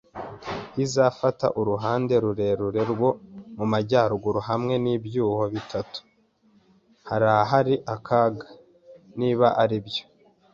izafata uruhande rurerure rwo mu majyaruguru, hamwe n'ibyuho bitanu; harahari akaga. Niba aribyo